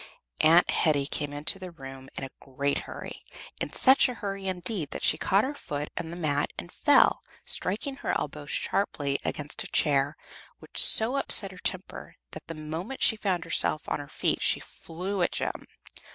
Aunt Hetty came into the room in a great hurry in such a hurry, indeed, that she caught her foot in the matting and fell, striking her elbow sharply against a chair, which so upset her temper that the moment she found herself on her feet she flew at Jem.